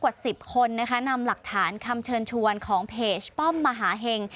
กว่า๑๐คนนะคะนำหลักฐานคำเชิญชวนของเพจป้อมมหาเห็ง